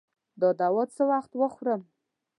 دا دوا څه وخت وخورم؟